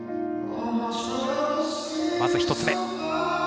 まず１つ目。